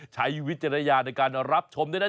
ใช้วิจารณญาในการรับชมด้วยนะจ๊ะ